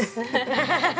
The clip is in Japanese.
ハハハハ。